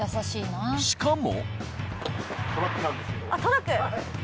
しかも。